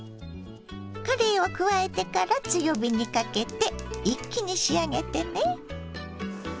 かれいを加えてから強火にかけて一気に仕上げてね。